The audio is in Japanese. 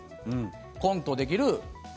コントできる。